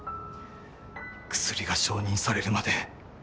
薬が承認されるまで